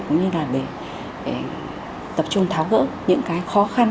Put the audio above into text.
cũng như là để tập trung tháo gỡ những cái khó khăn